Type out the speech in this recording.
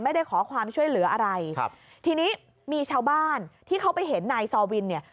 ไม่ได้ขอความช่วยเหลืออะไรครับทีนี้มีชาวบ้านที่เขาไปเห็นนายซอวินเนี่ย